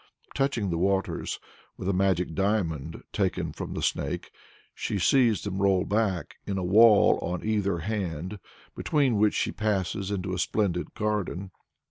Touching the waters with a magic diamond taken from the snake, she sees them roll back "in a wall on either hand," between which she passes into a splendid garden.